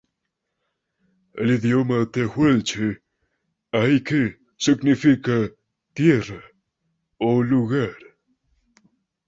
En idioma tehuelche "aike" significa 'tierra' o 'lugar'.